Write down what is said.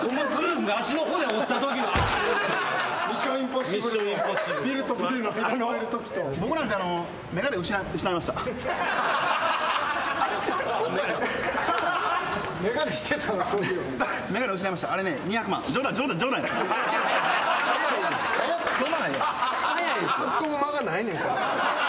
ツッコむ間がないねん。